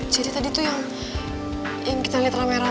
ya udah kita ke rumah